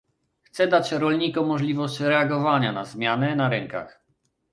Chcę dać rolnikom możliwość reagowania na zmiany na rynkach